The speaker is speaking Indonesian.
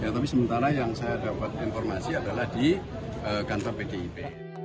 tapi sementara yang saya dapat informasi adalah di kantor pdip